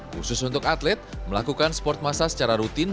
khusus untuk atlet melakukan sport massa secara rutin